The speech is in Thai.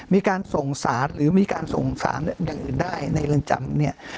มีการส่งสารหรือมีการส่งสารอย่างอื่นได้ในเรือนจำเนี่ย